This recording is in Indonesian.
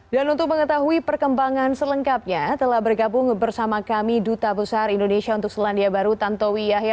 dan untuk mengetahui perkembangan selengkapnya telah bergabung bersama kami duta besar indonesia untuk selandia baru tantowi yahya